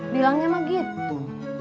bilangnya mah gitu